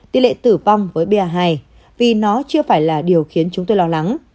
tỷ lệ tử vong với ba hai vì nó chưa phải là điều khiến chúng tôi lo lắng